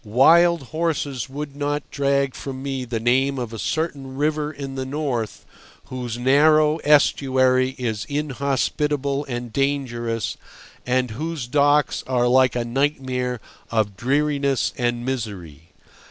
Wild horses would not drag from me the name of a certain river in the north whose narrow estuary is inhospitable and dangerous, and whose docks are like a nightmare of dreariness and misery.